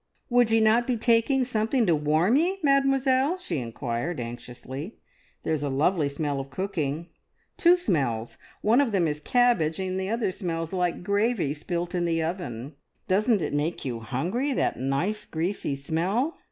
"Would ye not be taking something to warm ye, Mademoiselle?" she inquired anxiously. "There's a lovely smell of cooking two smells. One of them is cabbage, and the other smells like gravy spilt in the oven. Doesn't it make you hungry, that nice greasy smell?"